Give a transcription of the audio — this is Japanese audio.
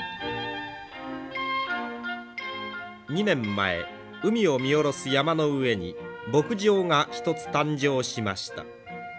２年前海を見下ろす山の上に牧場が１つ誕生しました。